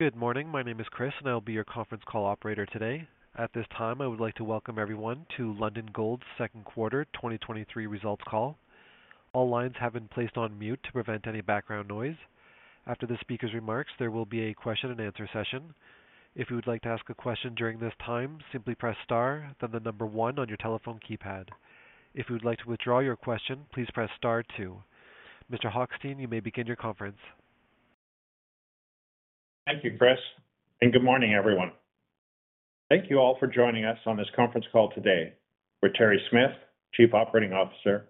Good morning. My name is Chris, and I'll be your conference call operator today. At this time, I would like to welcome everyone to Lundin Gold's second quarter 2023 results call. All lines have been placed on mute to prevent any background noise. After the speaker's remarks, there will be a question and answer session. If you would like to ask a question during this time, simply press Star 1 on your telephone keypad. If you would like to withdraw your question, please press Star 2. Mr. Hochstein, you may begin your conference. Thank you, Chris, and good morning, everyone. Thank you all for joining us on this conference call today, where Terry Smith, Chief Operating Officer,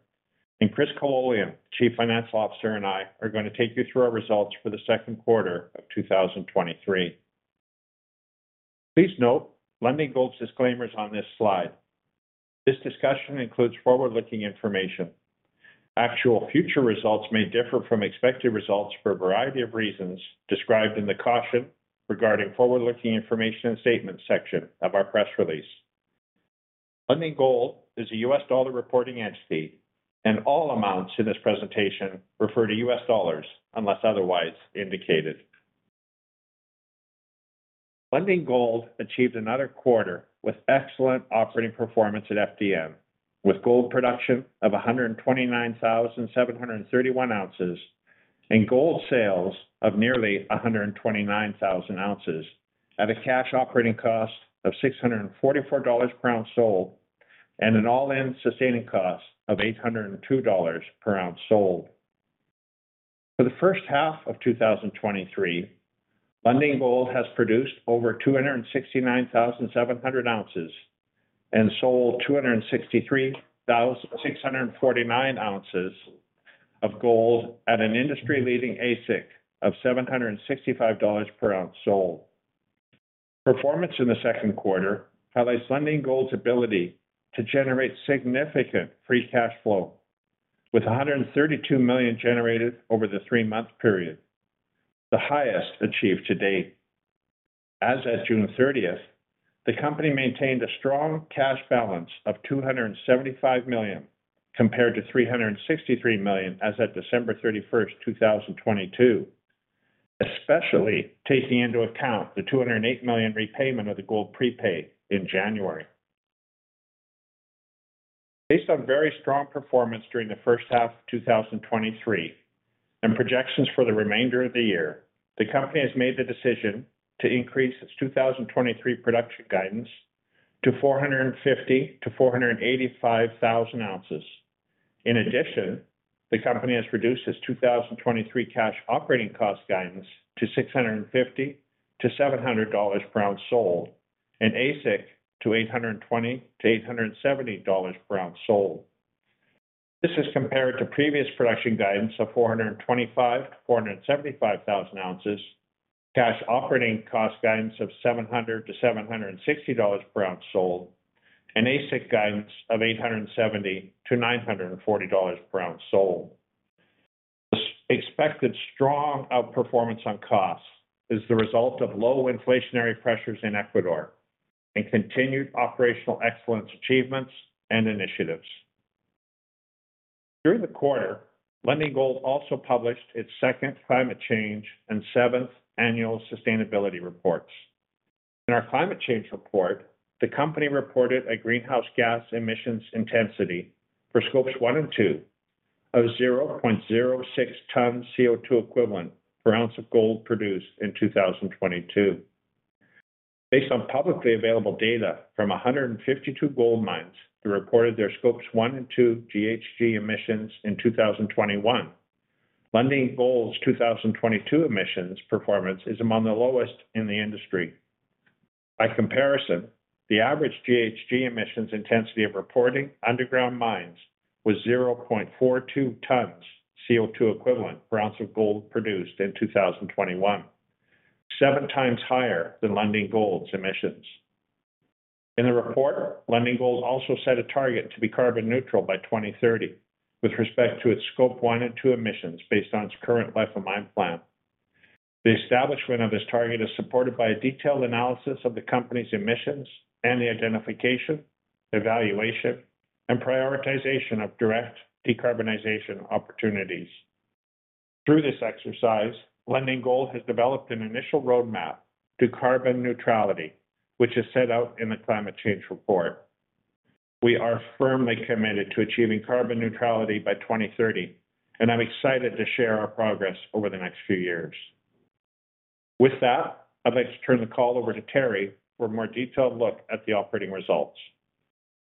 and Christopher Kololian, Chief Financial Officer, and I are going to take you through our results for the second quarter of 2023. Please note Lundin Gold's disclaimers on this slide. This discussion includes forward-looking information. Actual future results may differ from expected results for a variety of reasons described in the caution regarding forward-looking information and statements section of our press release. Lundin Gold is a U.S. dollar reporting entity, and all amounts in this presentation refer to US dollars unless otherwise indicated. Lundin Gold achieved another quarter with excellent operating performance at FDN, with gold production of 129,731 ounces and gold sales of nearly 129,000 ounces, at a cash operating cost of $644 per ounce sold and an all-in sustaining cost of $802 per ounce sold. For the first half of 2023, Lundin Gold has produced over 269,700 ounces and sold 263,649 ounces of gold at an industry-leading AISC of $765 per ounce sold. Performance in the second quarter highlights Lundin Gold's ability to generate significant free cash flow, with $132 million generated over the three-month period, the highest achieved to date. As at June thirtieth, the company maintained a strong cash balance of $275 million, compared to $363 million as at December 31st, 2022, especially taking into account the $208 million repayment of the gold prepaid in January. Based on very strong performance during the first half of 2023 and projections for the remainder of the year, the company has made the decision to increase its 2023 production guidance to 450,000-485,000 ounces. In addition, the company has reduced its 2023 cash operating cost guidance to $650-$700 per ounce sold, and AISC to $820-$870 per ounce sold. This is compared to previous production guidance of 425,000-475,000 ounces, cash operating cost guidance of $700-$760 per ounce sold, and AISC guidance of $870-$940 per ounce sold. This expected strong outperformance on costs is the result of low inflationary pressures in Ecuador and continued operational excellence achievements and initiatives. During the quarter, Lundin Gold also published its second Climate Change and seventh annual Sustainability Report. In our Climate Change Report, the company reported a greenhouse gas emissions intensity for Scope 1 and Scope 2 of 0.06 tons CO2 equivalent per ounce of gold produced in 2022. Based on publicly available data from 152 gold mines, who reported their Scope 1 and Scope 2 GHG emissions in 2021, Lundin Gold's 2022 emissions performance is among the lowest in the industry. By comparison, the average GHG emissions intensity of reporting underground mines was 0.42 tons CO2 equivalent per ounce of gold produced in 2021, 7 times higher than Lundin Gold's emissions. In the report, Lundin Gold also set a target to be carbon neutral by 2030, with respect to its Scope 1 and Scope 2 emissions based on its current life of mine plan. The establishment of this target is supported by a detailed analysis of the company's emissions and the identification, evaluation, and prioritization of direct decarbonization opportunities. Through this exercise, Lundin Gold has developed an initial roadmap to carbon neutrality, which is set out in the Climate Change Report. We are firmly committed to achieving carbon neutrality by 2030. I'm excited to share our progress over the next few years. With that, I'd like to turn the call over to Terry for a more detailed look at the operating results.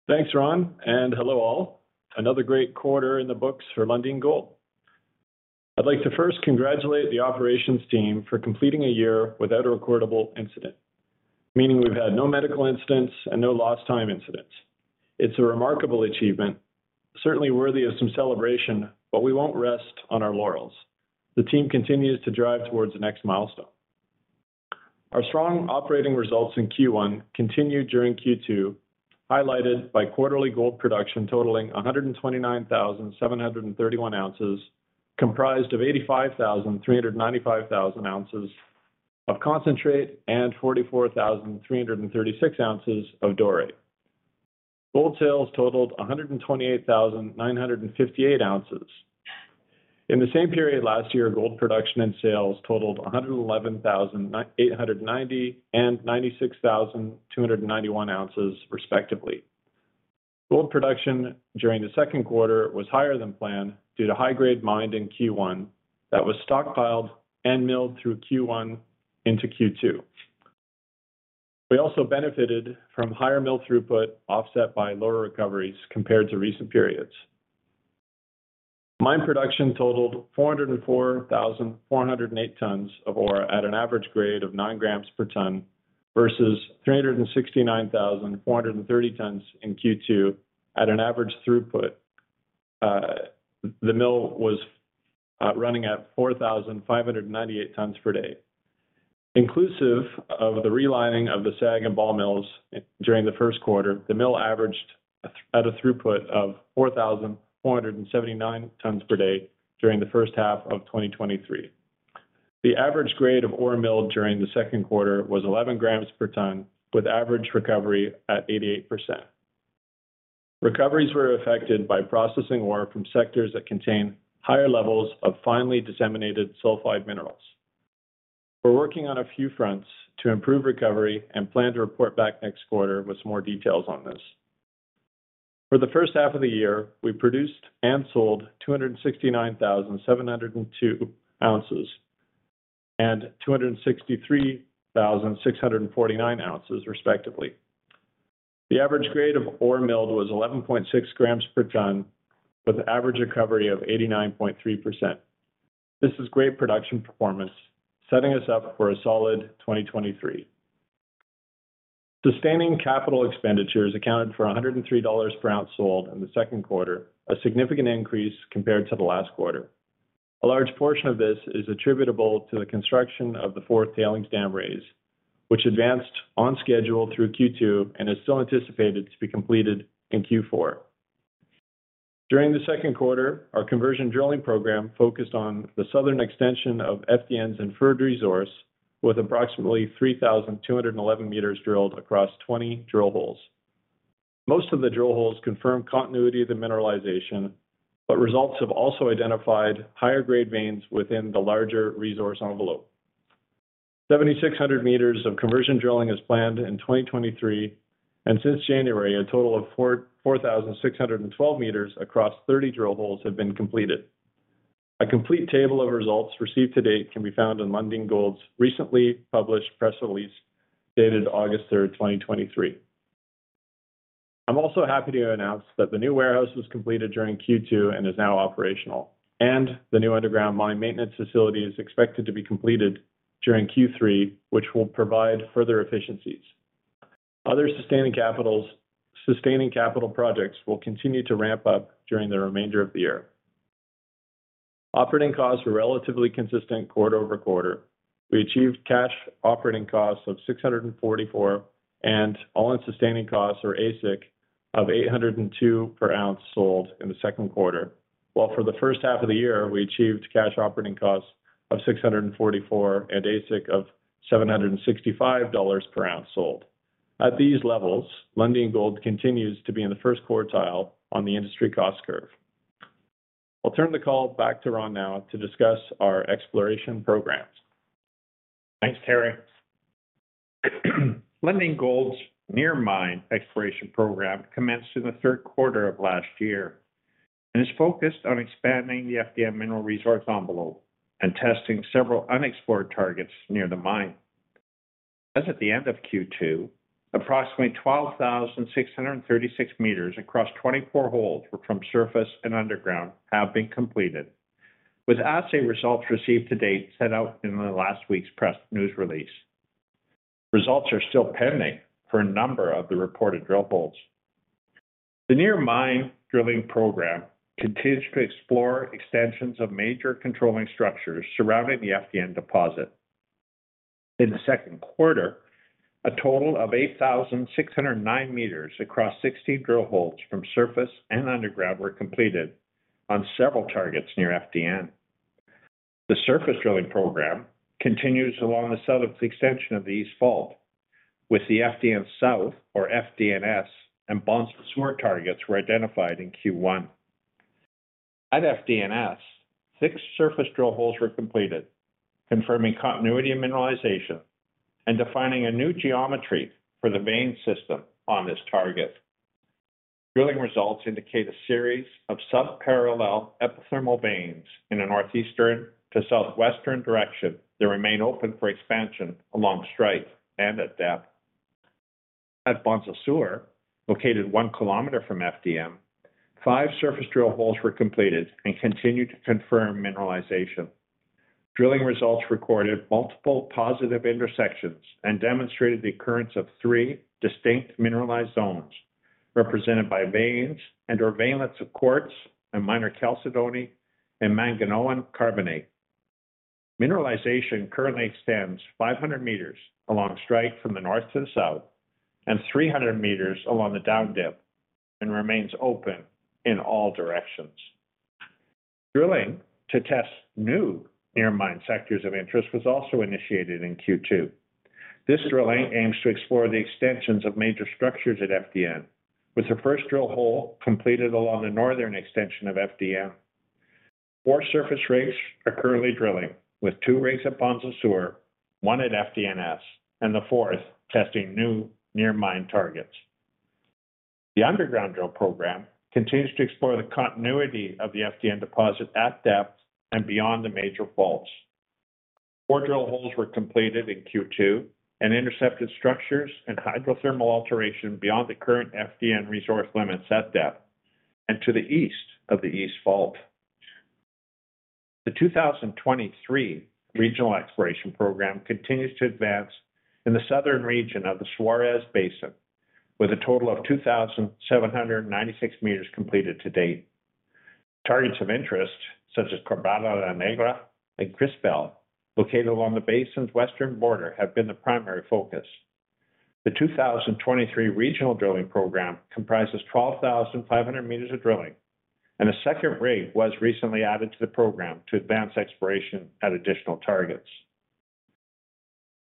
Thanks, Ron. Hello, all. Another great quarter in the books for Lundin Gold. I'd like to first congratulate the operations team for completing a year without a recordable incident, meaning we've had no medical incidents and no lost time incidents. It's a remarkable achievement, certainly worthy of some celebration, but we won't rest on our laurels. The team continues to drive towards the next milestone. Our strong operating results in Q1 continued during Q2, highlighted by quarterly gold production totaling 129,731 ounces, comprised of 85,395 thousand ounces of concentrate and 44,336 ounces of doré. Gold sales totaled 128,958 ounces. In the same period last year, gold production and sales totaled 111,890 and 96,291 ounces respectively. Gold production during the second quarter was higher than planned due to high-grade mined in Q1 that was stockpiled and milled through Q1 into Q2. We also benefited from higher mill throughput, offset by lower recoveries compared to recent periods. Mine production totaled 404,408 tons of ore at an average grade of 9 grams per ton, versus 369,430 tons in Q2 at an average throughput. The mill was running at 4,598 tons per day. Inclusive of the relining of the SAG and ball mills during the first quarter, the mill averaged at a throughput of 4,479 tons per day during the first half of 2023. The average grade of ore milled during the second quarter was 11 grams per ton, with average recovery at 88%. Recoveries were affected by processing ore from sectors that contain higher levels of finely disseminated sulfide minerals. We're working on a few fronts to improve recovery and plan to report back next quarter with more details on this. For the first half of the year, we produced and sold 269,702 ounces and 263,649 ounces, respectively. The average grade of ore milled was 11.6 grams per ton, with average recovery of 89.3%. This is great production performance, setting us up for a solid 2023. Sustaining capital expenditures accounted for $103 per ounce sold in the second quarter, a significant increase compared to the last quarter. A large portion of this is attributable to the construction of the fourth tailings dam raise, which advanced on schedule through Q2 and is still anticipated to be completed in Q4. During the second quarter, our conversion drilling program focused on the southern extension of FDN's inferred resource, with approximately 3,211 meters drilled across 20 drill holes. Most of the drill holes confirmed continuity of the mineralization, but results have also identified higher-grade veins within the larger resource envelope. 7,600 meters of conversion drilling is planned in 2023. Since January, a total of 4,612 meters across 30 drill holes have been completed. A complete table of results received to date can be found in Lundin Gold's recently published press release, dated August 3rd, 2023. I'm also happy to announce that the new warehouse was completed during Q2 and is now operational. The new underground mine maintenance facility is expected to be completed during Q3, which will provide further efficiencies. Other sustaining capitals, sustaining capital projects will continue to ramp up during the remainder of the year. Operating costs were relatively consistent quarter-over-quarter. We achieved cash operating costs of $644 and all-in sustaining costs, or AISC, of $802 per ounce sold in the second quarter, while for the first half of the year, we achieved cash operating costs of $644 and AISC of $765 per ounce sold. At these levels, Lundin Gold continues to be in the first quartile on the industry cost curve. I'll turn the call back to Ron now to discuss our exploration programs. Thanks, Terry. Lundin Gold's near mine exploration program commenced in the third quarter of last year and is focused on expanding the FDN mineral resource envelope and testing several unexplored targets near the mine. As at the end of Q2, approximately 12,636 meters across 24 holes were from surface and underground have been completed, with assay results received to date set out in the last week's press news release. Results are still pending for a number of the reported drill holes. The near mine drilling program continues to explore extensions of major controlling structures surrounding the FDN deposit. In the second quarter, a total of 8,609 meters across 60 drill holes from surface and underground were completed on several targets near FDN. The surface drilling program continues along the southern extension of the east fault, with the FDN South or FDNS and Bonza Sur targets were identified in Q1. At FDNS, six surface drill holes were completed, confirming continuity and mineralization and defining a new geometry for the vein system on this target. Drilling results indicate a series of sub-parallel epithermal veins in a northeastern to southwestern direction that remain open for expansion along strike and at depth. At Bonza Sur, located 1 km from FDN, five surface drill holes were completed and continued to confirm mineralization. Drilling results recorded multiple positive intersections and demonstrated the occurrence of three distinct mineralized zones, represented by veins and or veillets of quartz and minor chalcedony and manganese carbonate. Mineralization currently extends 500 meters along strike from the north to the south and 300 meters along the down dip and remains open in all directions. Drilling to test new near mine sectors of interest was also initiated in Q2. This drilling aims to explore the extensions of major structures at FDN, with the first drill hole completed along the northern extension of FDN. Four surface rigs are currently drilling, with two rigs at Bonza Sur, one at FDNS, and the fourth testing new near mine targets. The underground drill program continues to explore the continuity of the FDN deposit at depth and beyond the major faults. Four drill holes were completed in Q2 and intercepted structures and hydrothermal alteration beyond the current FDN resource limits at depth and to the east of the east fault. The 2023 regional exploration program continues to advance in the southern region of the Suarez Basin, with a total of 2,796 meters completed to date. Targets of interest, such as Quebrada La Negra and Crisbel, located along the basin's western border, have been the primary focus. The 2023 regional drilling program comprises 12,500 meters of drilling. A second rig was recently added to the program to advance exploration at additional targets.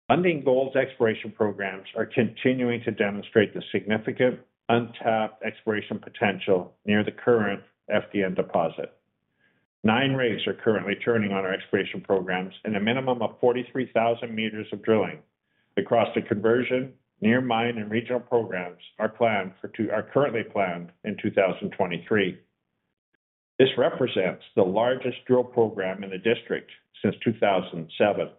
Lundin Gold's exploration programs are continuing to demonstrate the significant untapped exploration potential near the current FDN deposit. Nine rigs are currently turning on our exploration programs in a minimum of 43,000 meters of drilling across the conversion, near mine, and regional programs are currently planned in 2023. This represents the largest drill program in the district since 2007.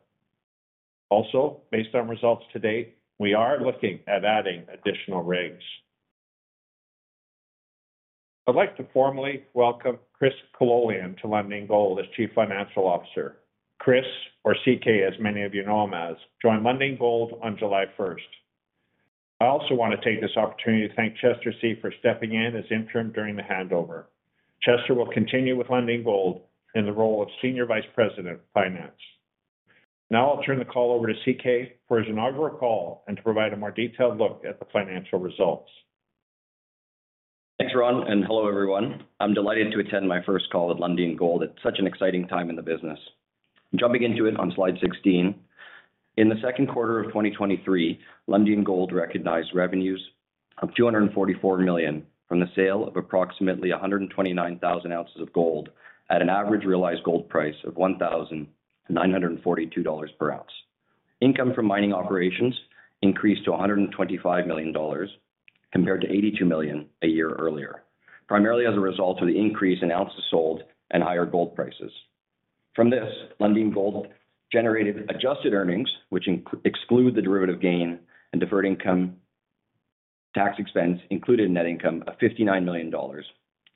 Based on results to date, we are looking at adding additional rigs. I'd like to formally welcome Chris Kololian to Lundin Gold as Chief Financial Officer. Chris, or CK, as many of you know him as, joined Lundin Gold on July 1st. I also want to take this opportunity to thank Chester See for stepping in as interim during the handover. Chester will continue with Lundin Gold in the role of Senior Vice President of Finance. I'll turn the call over to CK for his inaugural call and to provide a more detailed look at the financial results. Thanks, Ron. Hello, everyone. I'm delighted to attend my first call at Lundin Gold at such an exciting time in the business. Jumping into it on slide 16. In the second quarter of 2023, Lundin Gold recognized revenues of $244 million from the sale of approximately 129,000 ounces of gold at an average realized gold price of $1,942 per ounce. Income from mining operations increased to $125 million, compared to $82 million a year earlier, primarily as a result of the increase in ounces sold and higher gold prices. From this, Lundin Gold generated adjusted earnings, which exclude the derivative gain and deferred income tax expense, included net income of $59 million, or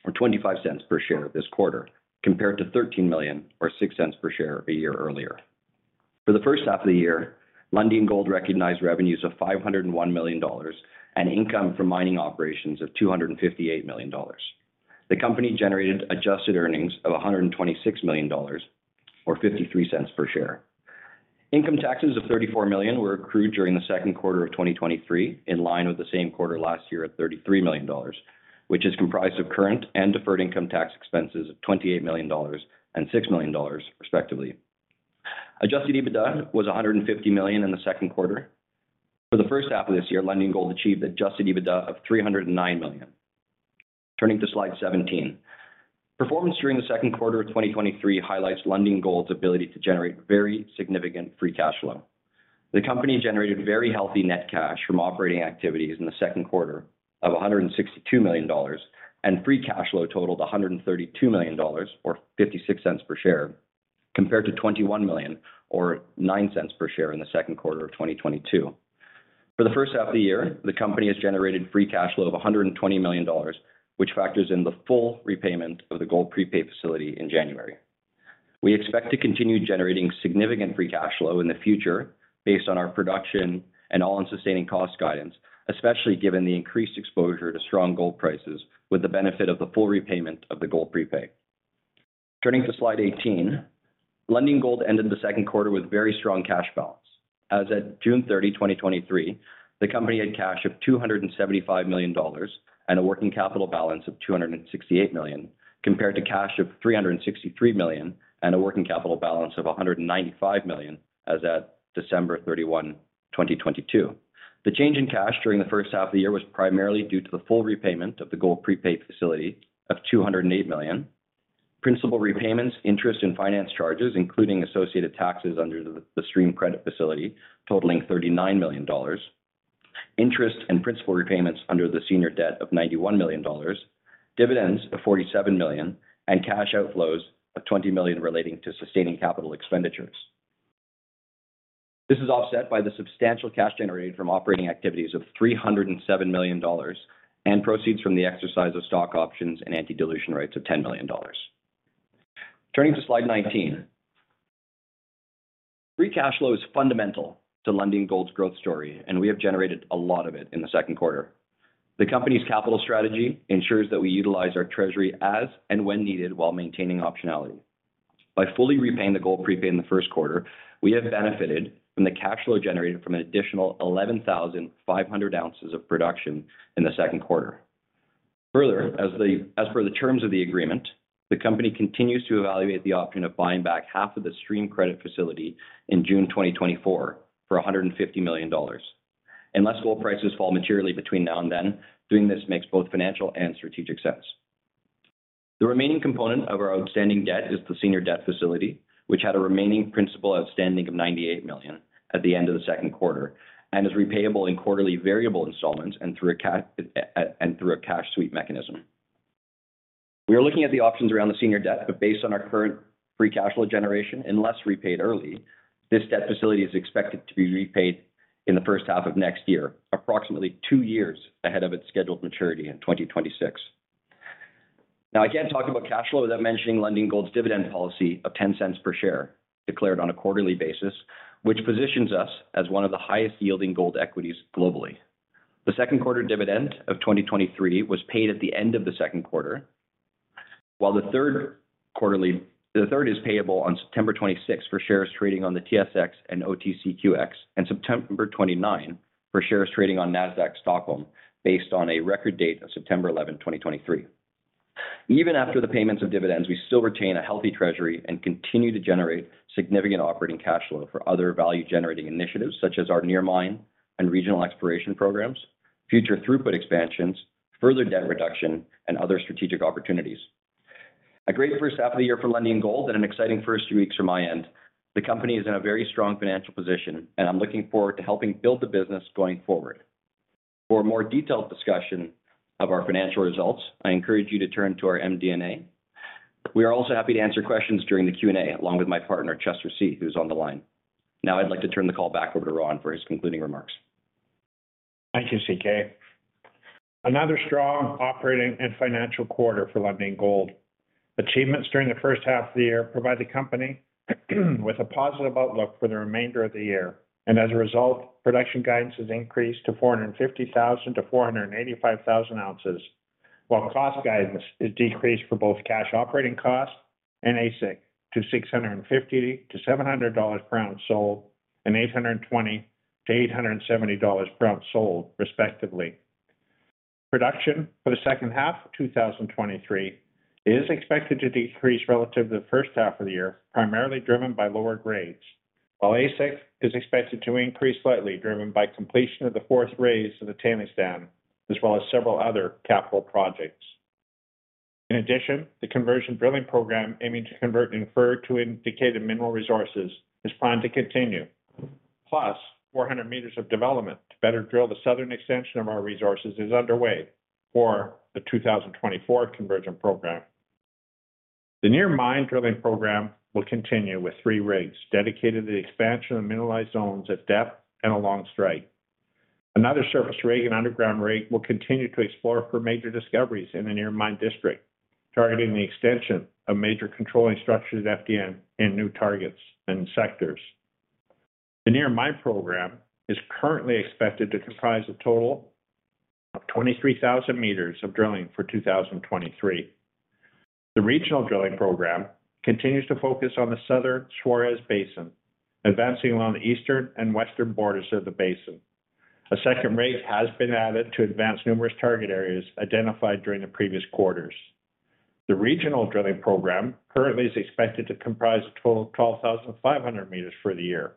$0.25 per share this quarter, compared to $13 million or $0.06 per share a year earlier. For the first half of the year, Lundin Gold recognized revenues of $501 million and income from mining operations of $258 million. The company generated adjusted earnings of $126 million or $0.53 per share. Income taxes of $34 million were accrued during the second quarter of 2023, in line with the same quarter last year at $33 million, which is comprised of current and deferred income tax expenses of $28 million and $6 million, respectively. Adjusted EBITDA was $150 million in the second quarter. For the first half of this year, Lundin Gold achieved adjusted EBITDA of $309 million. Turning to slide 17, performance during the second quarter of 2023 highlights Lundin Gold's ability to generate very significant free cash flow. The company generated very healthy net cash from operating activities in the second quarter of $162 million. Free cash flow totaled $132 million or $0.56 per share, compared to $21 million or $0.09 per share in the second quarter of 2022. For the first half of the year, the company has generated free cash flow of $120 million, which factors in the full repayment of the gold prepaid facility in January. We expect to continue generating significant free cash flow in the future based on our production and all-in sustaining cost guidance, especially given the increased exposure to strong gold prices with the benefit of the full repayment of the gold prepaid. Turning to slide 18, Lundin Gold ended the second quarter with very strong cash balance. As at June 30, 2023, the company had cash of $275 million and a working capital balance of $268 million, compared to cash of $363 million and a working capital balance of $195 million as at December 31, 2022. The change in cash during the first half of the year was primarily due to the full repayment of the gold prepaid facility of $208 million. Principal repayments, interest and finance charges, including associated taxes under the stream credit facility, totaling $39 million. Interest and principal repayments under the senior debt of $91 million, dividends of $47 million, and cash outflows of $20 million relating to sustaining capital expenditures. This is offset by the substantial cash generated from operating activities of $307 million and proceeds from the exercise of stock options and anti-dilution rights of $10 million. Turning to slide 19. Free cash flow is fundamental to Lundin Gold's growth story, and we have generated a lot of it in the second quarter. The company's capital strategy ensures that we utilize our treasury as and when needed while maintaining optionality. By fully repaying the gold prepay in the first quarter, we have benefited from the cash flow generated from an additional 11,500 ounces of production in the second quarter. As per the terms of the agreement, the company continues to evaluate the option of buying back half of the stream credit facility in June 2024 for $150 million. Unless gold prices fall materially between now and then, doing this makes both financial and strategic sense. The remaining component of our outstanding debt is the senior debt facility, which had a remaining principal outstanding of $98 million at the end of the second quarter and is repayable in quarterly variable installments and through a cash sweep mechanism. We are looking at the options around the senior debt, but based on our current free cash flow generation, unless repaid early, this debt facility is expected to be repaid in the first half of next year, approximately two years ahead of its scheduled maturity in 2026. Now, I can't talk about cash flow without mentioning Lundin Gold's dividend policy of $0.10 per share, declared on a quarterly basis, which positions us as one of the highest-yielding gold equities globally. The second quarter dividend of 2023 was paid at the end of the second quarter, while the third is payable on September 26 for shares trading on the TSX and OTCQX, and September 29 for shares trading on Nasdaq Stockholm, based on a record date of September 11, 2023. Even after the payments of dividends, we still retain a healthy treasury and continue to generate significant operating cash flow for other value-generating initiatives, such as our near mine and regional exploration programs, future throughput expansions, further debt reduction, and other strategic opportunities. A great first half of the year for Lundin Gold and an exciting first few weeks from my end. The company is in a very strong financial position, and I'm looking forward to helping build the business going forward. For a more detailed discussion of our financial results, I encourage you to turn to our MD&A. We are also happy to answer questions during the Q&A, along with my partner, Chester See, who's on the line. Now, I'd like to turn the call back over to Ron for his concluding remarks. Thank you, CK. Another strong operating and financial quarter for Lundin Gold. Achievements during the first half of the year provide the company with a positive outlook for the remainder of the year. As a result, production guidance has increased to 450,000-485,000 ounces, while cost guidance is decreased for both cash operating costs and AISC to $650-$700 per ounce sold and $820-$870 per ounce sold, respectively. Production for the second half of 2023 is expected to decrease relative to the first half of the year, primarily driven by lower grades, while AISC is expected to increase slightly, driven by completion of the fourth raise of the tailings dam, as well as several other capital projects. In addition, the conversion drilling program, aiming to convert inferred to indicated mineral resources, is planned to continue. 400 meters of development to better drill the southern extension of our resources is underway for the 2024 conversion program. The near mine drilling program will continue with three rigs dedicated to the expansion of mineralized zones at depth and along strike. Another surface rig and underground rig will continue to explore for major discoveries in the near mine district, targeting the extension of major controlling structures at FDN and new targets and sectors. The near mine program is currently expected to comprise a total of 23,000 meters of drilling for 2023. The regional drilling program continues to focus on the southern Suarez Basin, advancing along the eastern and western borders of the basin. A second rig has been added to advance numerous target areas identified during the previous quarters. The regional drilling program currently is expected to comprise a total of 12,500 meters for the year.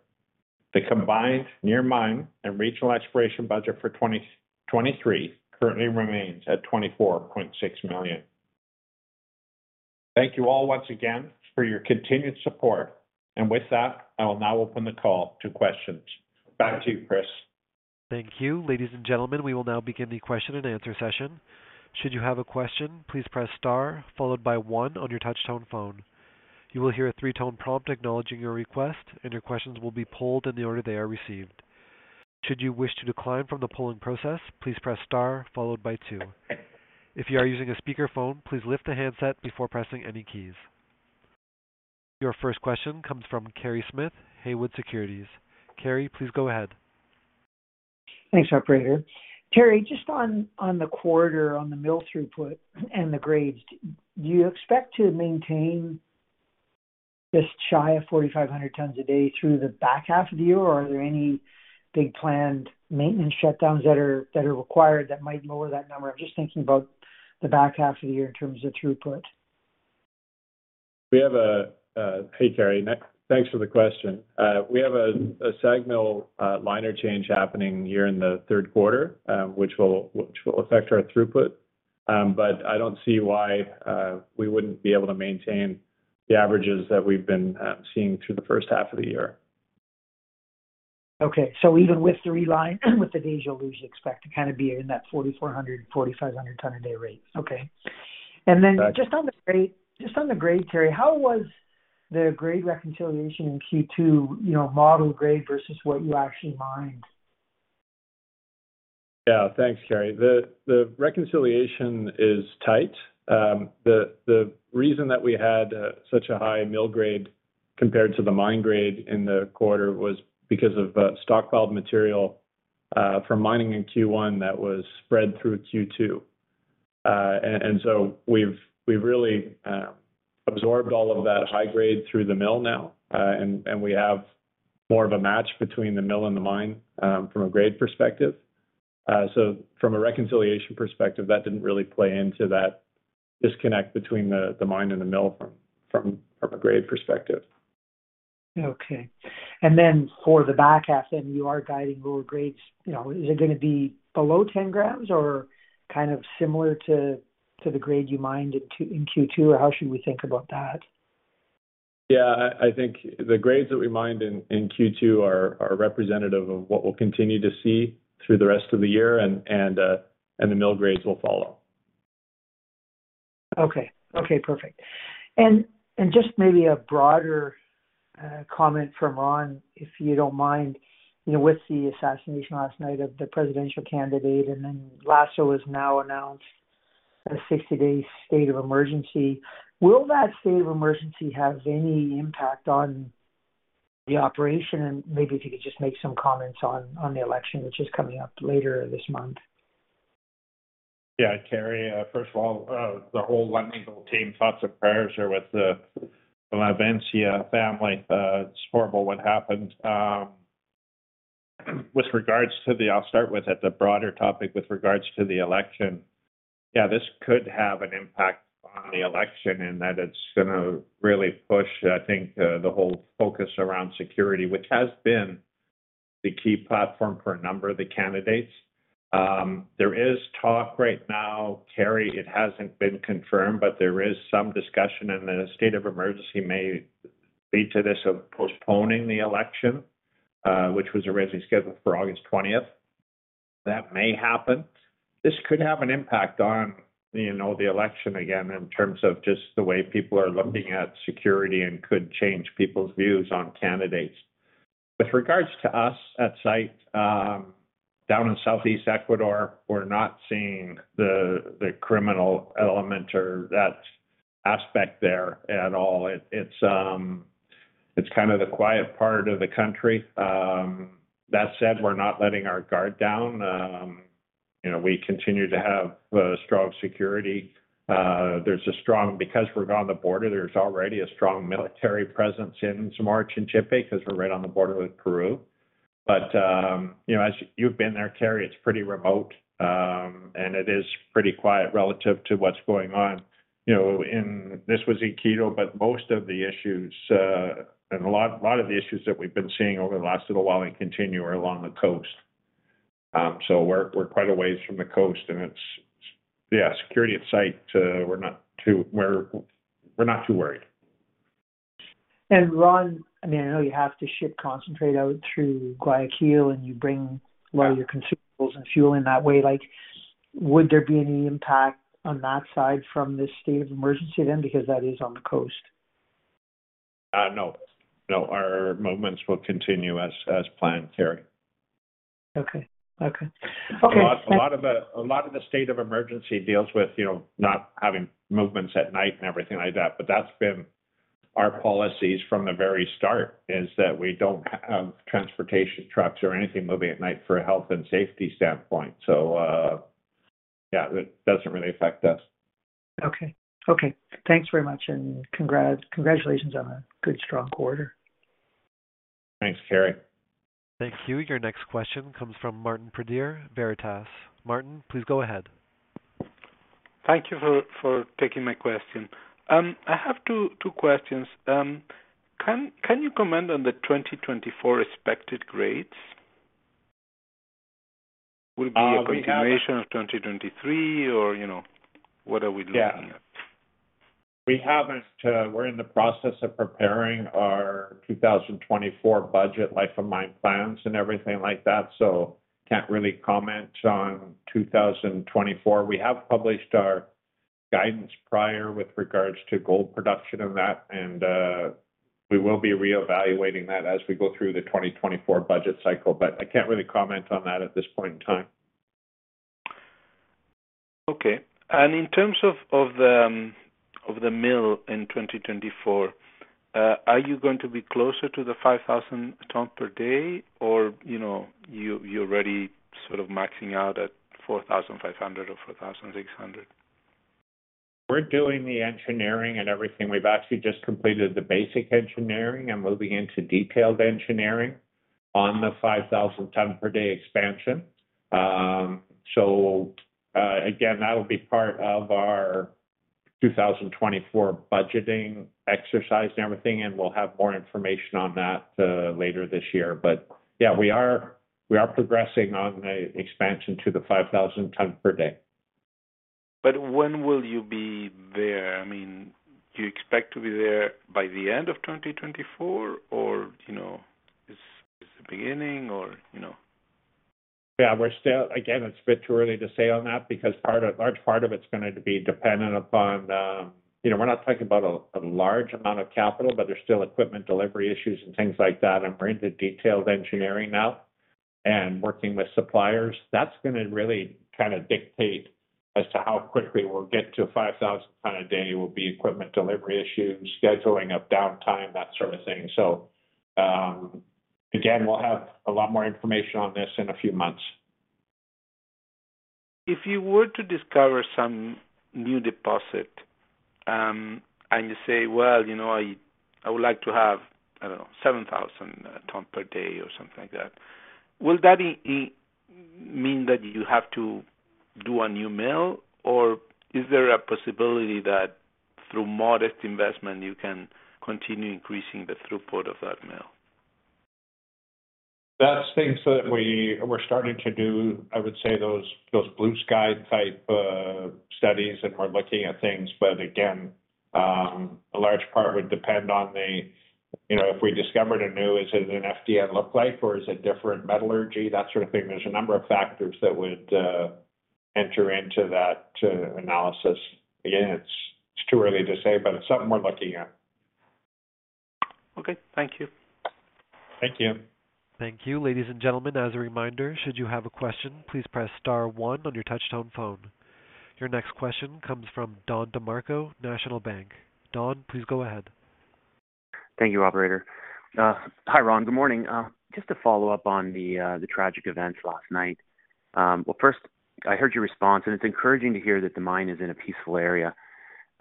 The combined near mine and regional exploration budget for 2023 currently remains at $24.6 million. Thank you all once again for your continued support. With that, I will now open the call to questions. Back to you, Chris. Thank you. Ladies and gentlemen, we will now begin the question and answer session. Should you have a question, please press star followed by one on your touchtone phone. You will hear a three-tone prompt acknowledging your request, and your questions will be polled in the order they are received. Should you wish to decline from the polling process, please press star followed by two. If you are using a speakerphone, please lift the handset before pressing any keys. Your first question comes from Kerry Smith, Haywood Securities. Kerry, please go ahead. Thanks, operator. Terry, just on, on the quarter, on the mill throughput and the grades, do you expect to maintain this shy of 4,500 tons a day through the back half of the year? Or are there any big planned maintenance shutdowns that are, that are required that might lower that number? I'm just thinking about the back half of the year in terms of throughput. We have a. Hey, Kerry. Thanks for the question. We have a, a SAG mill liner change happening here in the third quarter, which will, which will affect our throughput. I don't see why we wouldn't be able to maintain the averages that we've been seeing through the first half of the year. Okay. even with the reline, with the days you'll lose, you expect to kind of be in that 4,400-4,500 ton a day range. Okay. Got it. Then just on the grade, just on the grade, Terry, how was the grade reconciliation in Q2, you know, model grade versus what you actually mined? Yeah. Thanks, Kerry. The reason that we had such a high mill grade compared to the mine grade in the quarter was because of stockpiled material from mining in Q1 that was spread through Q2. We've really absorbed all of that high grade through the mill now. We have more of a match between the mill and the mine from a grade perspective. From a reconciliation perspective, that didn't really play into that disconnect between the mine and the mill from a grade perspective. Okay. Then for the back half, then you are guiding lower grades. You know, is it gonna be below 10 grams or kind of similar to the grade you mined in Q2, or how should we think about that? Yeah, I think the grades that we mined in, in Q2 are, are representative of what we'll continue to see through the rest of the year, and, and, and the mill grades will follow. Okay. Okay, perfect. Just maybe a broader comment from Ron, if you don't mind. You know, with the assassination last night of the presidential candidate, and then Lasso has now announced a 60-day state of emergency. Will that state of emergency have any impact on the operation? Maybe if you could just make some comments on the election, which is coming up later this month. Terry, first of all, the whole Lundin Gold team, thoughts and prayers are with the Lavinzia family. It's horrible what happened. With regards to the... I'll start with, at the broader topic, with regards to the election. This could have an impact on the election in that it's gonna really push, I think, the whole focus around security, which has been the key platform for a number of the candidates. There is talk right now, Terry, it hasn't been confirmed, but there is some discussion, and a state of emergency may lead to this, of postponing the election, which was originally scheduled for August twentieth. That may happen. This could have an impact on, you know, the election, again, in terms of just the way people are looking at security and could change people's views on candidates. With regards to us at site, down in Southeast Ecuador, we're not seeing the, the criminal element or that aspect there at all. It, it's kind of the quiet part of the country. That said, we're not letting our guard down. You know, we continue to have strong security. Because we're on the border, there's already a strong military presence in Zamora and Chinchipe, because we're right on the border with Peru. You know, as you've been there, Terry, it's pretty remote, and it is pretty quiet relative to what's going on. You know, in, this was Quito, but most of the issues, and a lot, lot of the issues that we've been seeing over the last little while and continue, are along the coast. We're quite a ways from the coast, and it's, yeah, security at site, we're not too, we're not too worried. Ron, I mean, I know you have to ship concentrate out through Guayaquil, and you bring a lot of your consumables and fuel in that way. Like, would there be any impact on that side from this state of emergency then? Because that is on the coast. No. No, our movements will continue as, as planned, Kerry. Okay. Okay. Okay, thank- A lot of the, a lot of the state of emergency deals with, you know, not having movements at night and everything like that. That's been our policies from the very start, is that we don't have transportation trucks or anything moving at night for a health and safety standpoint. Yeah, it doesn't really affect us. Okay. Okay, thanks very much, and congrats. Congratulations on a good, strong quarter. Thanks, Terry. Thank you. Your next question comes from Martin Pradier, Veritas. Martin, please go ahead. Thank you for, for taking my question. I have two, two questions. Can, can you comment on the 2024 expected grades? Uh, we have- Will it be a continuation of 2023, or you know, what are we looking at? Yeah. We haven't, we're in the process of preparing our 2024 budget life of mine plans and everything like that. Can't really comment on 2024. We have published our guidance prior with regards to gold production and that. We will be reevaluating that as we go through the 2024 budget cycle. I can't really comment on that at this point in time. Okay. In terms of, of the mill in 2024, are you going to be closer to the 5,000 tons per day, or you know, you, you're already sort of maxing out at 4,500 or 4,600? We're doing the engineering and everything. We've actually just completed the basic engineering and moving into detailed engineering on the 5,000 ton per day expansion. again, that'll be part of our 2024 budgeting exercise and everything, and we'll have more information on that later this year. Yeah, we are, we are progressing on the expansion to the 5,000 tons per day. When will you be there? I mean, do you expect to be there by the end of 2024, or you know, it's the beginning or, you know? Yeah, we're still... Again, it's a bit too early to say on that because a large part of it's gonna be dependent upon, you know, we're not talking about a, a large amount of capital, but there's still equipment, delivery issues and things like that. We're into detailed engineering now and working with suppliers. That's gonna really kinda dictate as to how quickly we'll get to 5,000 ton a day, will be equipment delivery issues, scheduling of downtime, that sort of thing. Again, we'll have a lot more information on this in a few months. If you were to discover some new deposit, and you say, well, you know, I, I would like to have, I don't know, 7,000 tons per day or something like that, will that mean that you have to do a new mill, or is there a possibility that through modest investment, you can continue increasing the throughput of that mill? That's things that we, we're starting to do. I would say those, those blue sky type studies, and we're looking at things. Again, a large part would depend on the you know, if we discovered a new, is it an FDN look like or is it different metallurgy? That sort of thing. There's a number of factors that would enter into that analysis. Again, it's, it's too early to say, but it's something we're looking at. Okay. Thank you. Thank you. Thank you. Ladies and gentlemen, as a reminder, should you have a question, please press star 1 on your touchtone phone. Your next question comes from Don DeMarco, National Bank. Don, please go ahead. Thank you, operator. Hi, Ron. Good morning. Just to follow up on the tragic events last night. Well, first, I heard your response, and it's encouraging to hear that the mine is in a peaceful area,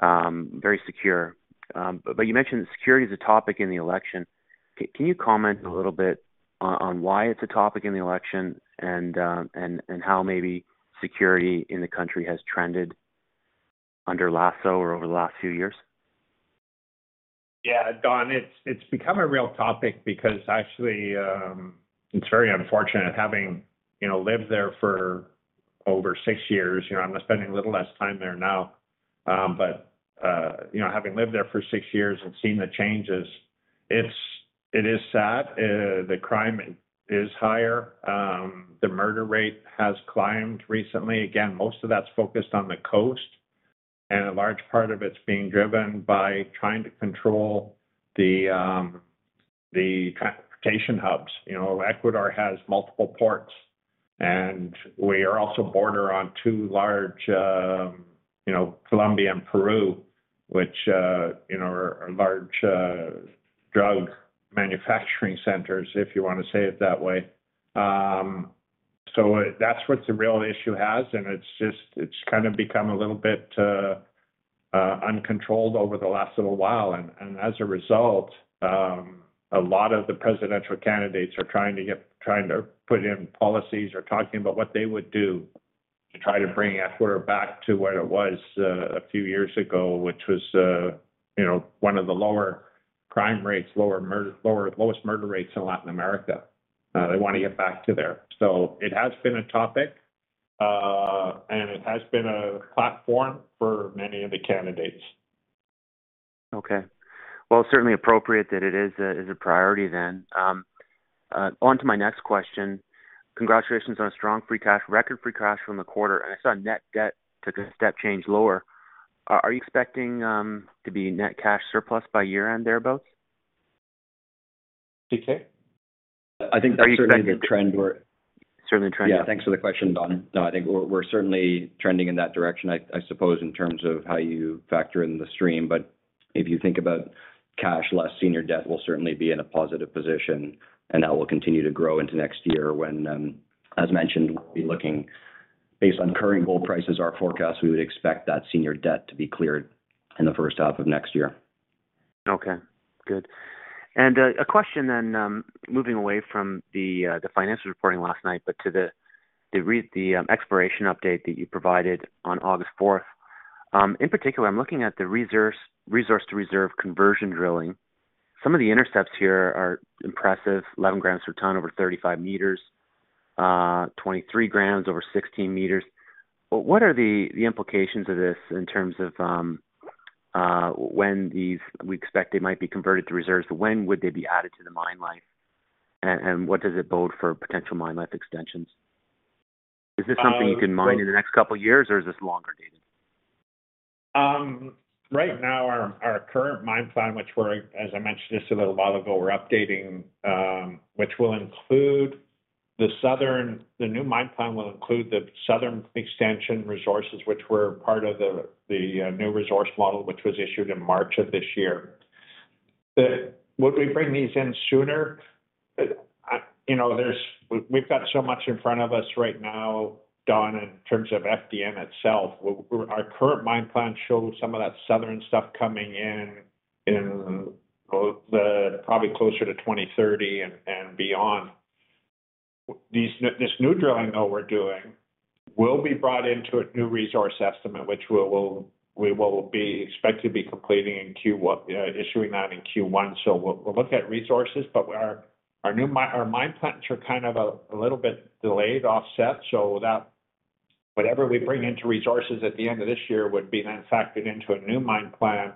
very secure. You mentioned that security is a topic in the election. Can you comment a little bit on, on why it's a topic in the election and, and, and how maybe security in the country has trended under Lasso or over the last few years? Yeah, Don, it's, it's become a real topic because actually, it's very unfortunate having, you know, lived there for over six years. You know, I'm spending a little less time there now. You know, having lived there for six years and seen the changes, it's, it is sad. The crime is higher. The murder rate has climbed recently. Again, most of that's focused on the coast, and a large part of it's being driven by trying to control the transportation hubs. You know, Ecuador has multiple ports, and we are also border on two large, you know, Colombia and Peru, which, you know, are large drug manufacturing centers, if you want to say it that way. That's what the real issue has, and it's just, it's kind of become a little bit uncontrolled over the last little while. As a result, a lot of the presidential candidates are trying to put in policies or talking about what they would do to try to bring Ecuador back to what it was a few years ago, which was, you know, one of the lower crime rates, lower, lowest murder rates in Latin America. They want to get back to there. It has been a topic, and it has been a platform for many of the candidates. Okay. Well, certainly appropriate that it is a, is a priority then. On to my next question. Congratulations on a strong free cash, record free cash from the quarter, and I saw net debt took a step change lower. Are, are you expecting to be net cash surplus by year-end, thereabouts? CK? I think that's certainly the trend we're- Certainly trending. Yeah, thanks for the question, Don. No, I think we're, we're certainly trending in that direction. I, I suppose, in terms of how you factor in the stream, if you think about cash, less senior debt will certainly be in a positive position, and that will continue to grow into next year when, as mentioned, we'll be looking based on current gold prices, our forecast, we would expect that senior debt to be cleared in the first half of next year. Okay, good. A question then, moving away from the financial reporting last night, but to the exploration update that you provided on August 4th. In particular, I'm looking at the reserves, resource to reserve conversion drilling. Some of the intercepts here are impressive, 11 grams per tonne over 35 meters, 23 grams over 16 meters. What are the implications of this in terms of when these, we expect they might be converted to reserves? When would they be added to the mine life? What does it bode for potential mine life extensions? Is this something you can mine in the next couple of years, or is this longer dated? Right now, our current mine plan, which we're, as I mentioned just a little while ago, we're updating, which will include the southern... The new mine plan will include the southern extension resources, which were part of the new resource model, which was issued in March of this year. Would we bring these in sooner? You know, we've got so much in front of us right now, Don, in terms of FDN itself. Our current mine plan shows some of that southern stuff coming in probably closer to 2030 and beyond. This new drilling, though, we're doing, will be brought into a new resource estimate, which we will be expected to be completing in Q1, issuing that in Q1. We'll look at resources, but our, our new mine-- our mine plans are kind of a, a little bit delayed, offset, so that whatever we bring into resources at the end of this year would be then factored into a new mine plan,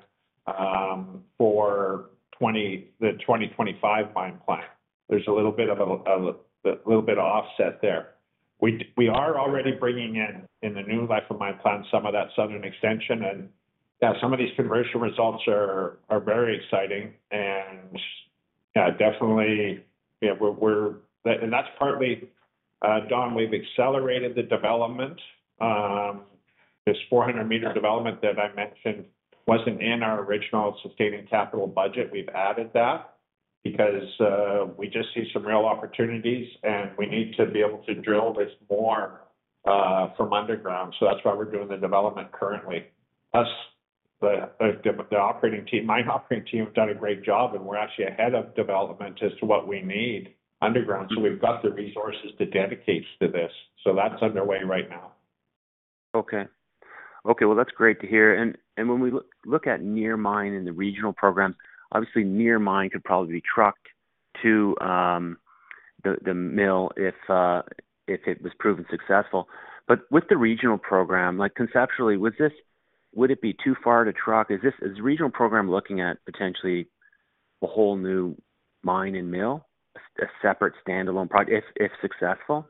for the 2025 mine plan. There's a little bit of a, of a, a little bit of offset there. We, we are already bringing in, in the new life of mine plan, some of that southern extension, and, yeah, some of these conversion results are, are very exciting. Yeah, definitely, yeah, we're, and that's partly, Don, we've accelerated the development. This 400 meter development that I mentioned wasn't in our original sustaining capital budget. We've added that because we just see some real opportunities, and we need to be able to drill this more from underground. That's why we're doing the development currently. Us, the operating team, my operating team, have done a great job, and we're actually ahead of development as to what we need underground. We've got the resources to dedicate to this. That's underway right now. Okay. Okay, well, that's great to hear. When we look at near mine and the regional programs, obviously, near mine could probably be trucked to the mill if it was proven successful. With the regional program, like conceptually, would it be too far to truck? Is regional program looking at potentially a whole new mine and mill, a separate standalone project if, if successful?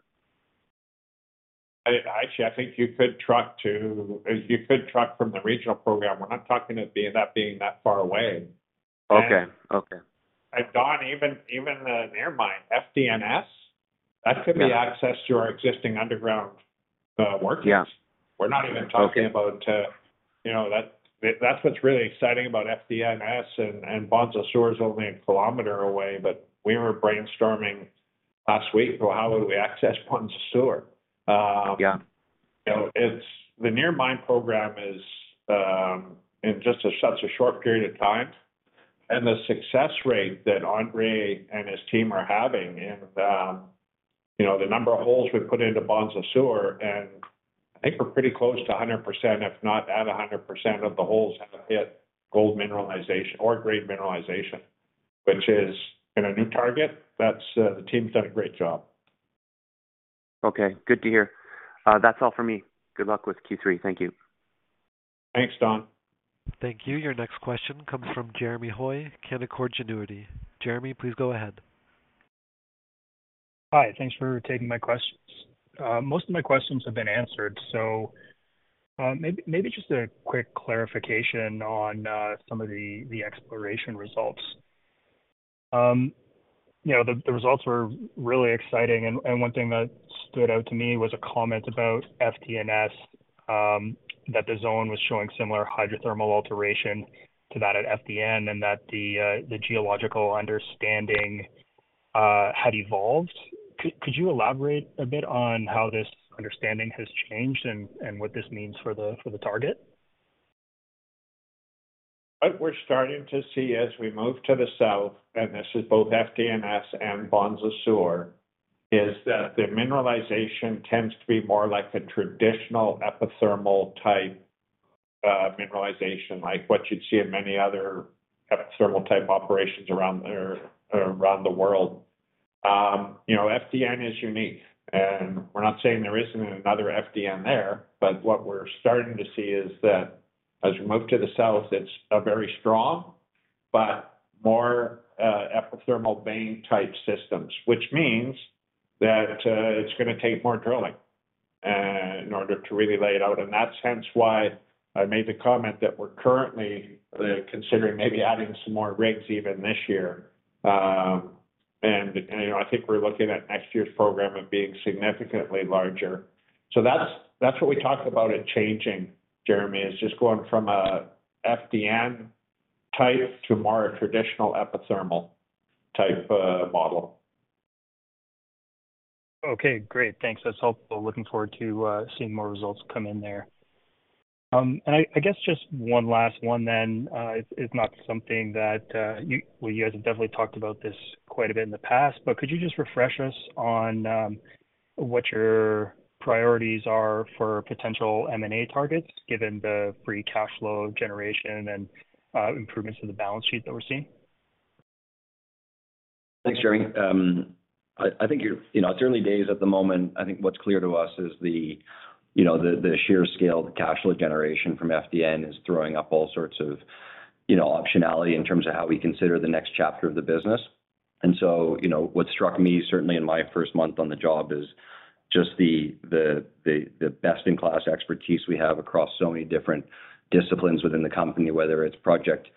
I, actually, I think you could truck to, as you could truck from the regional program. We're not talking it being, that being that far away. Okay. Okay. Don, even, even the near mine, FDNS, that could be accessed through our existing underground works. Yeah. We're not even talking about, You know, that, that's what's really exciting about FDNS, and, and Bonza Sur is only a kilometer away, but we were brainstorming last week about how would we access Bonza Sur. Yeah. You know, it's, the near mine program is in just such a short period of time, and the success rate that Andre and his team are having, and, you know, the number of holes we've put into Bonza Sur, and I think we're pretty close to 100%, if not at 100% of the holes, have hit gold mineralization or great mineralization, which is in a new target. That's the team's done a great job. Okay, good to hear. That's all for me. Good luck with Q3. Thank you. Thanks, Don. Thank you. Your next question comes from Jeremy Hoye, Canaccord Genuity. Jeremy, please go ahead. Hi, thanks for taking my questions. Most of my questions have been answered, so, maybe, maybe just a quick clarification on some of the, the exploration results. You know, the, the results were really exciting, and, and one thing that stood out to me was a comment about FDNS, that the zone was showing similar hydrothermal alteration to that at FDN, and that the, the geological understanding had evolved. Could, could you elaborate a bit on how this understanding has changed and, and what this means for the, for the target? What we're starting to see as we move to the south, and this is both FDNS and Bonza Sur, is that the mineralization tends to be more like a traditional epithermal-type mineralization, like what you'd see in many other epithermal-type operations around the, around the world. You know, FDN is unique, and we're not saying there isn't another FDN there, but what we're starting to see is that as you move to the south, it's a very strong but more epithermal vein-type systems, which means that it's gonna take more drilling in order to really lay it out. That's hence why I made the comment that we're currently considering maybe adding some more rigs even this year. You know, I think we're looking at next year's program of being significantly larger. That's, that's what we talked about it changing, Jeremy. It's just going from a FDN type to more traditional epithermal type model. Okay, great. Thanks. That's helpful. Looking forward to seeing more results come in there. I, I guess just one last one then. It's not something that, well, you guys have definitely talked about this quite a bit in the past, but could you just refresh us on what your priorities are for potential M&A targets, given the free cash flow generation and improvements to the balance sheet that we're seeing? Thanks, Jeremy. I, I think you're, you know, it's early days at the moment. I think what's clear to us is the, you know, the, the sheer scale of the cash flow generation from FDN is throwing up all sorts of, you know, optionality in terms of how we consider the next chapter of the business. You know, what struck me, certainly in my first month on the job, is just the, the, the, the best-in-class expertise we have across so many different disciplines within the company, whether it's project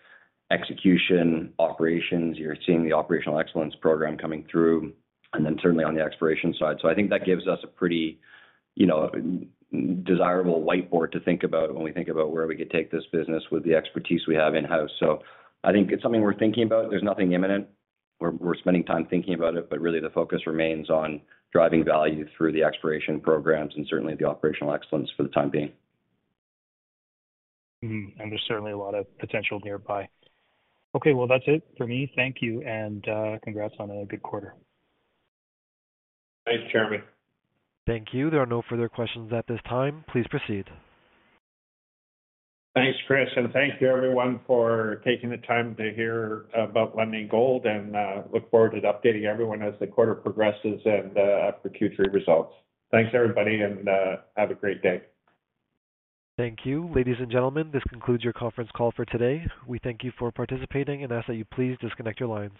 execution, operations, you're seeing the operational excellence program coming through, and then certainly on the exploration side. I think that gives us a pretty, you know, desirable whiteboard to think about when we think about where we could take this business with the expertise we have in-house. I think it's something we're thinking about. There's nothing imminent. We're spending time thinking about it, really the focus remains on driving value through the exploration programs and certainly the operational excellence for the time being. Mm-hmm, there's certainly a lot of potential nearby. Okay, well, that's it for me. Thank you, congrats on a good quarter. Thanks, Jeremy. Thank you. There are no further questions at this time. Please proceed. Thanks, Chris, and thank you everyone for taking the time to hear about Lundin Gold, and, look forward to updating everyone as the quarter progresses and, for Q3 results. Thanks, everybody, and, have a great day. Thank you. Ladies and gentlemen, this concludes your conference call for today. We thank you for participating and ask that you please disconnect your lines.